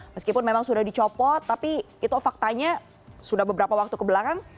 meskipun memang sudah dicopot tapi itu faktanya sudah beberapa waktu kebelakang